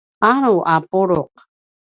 alu a pulu’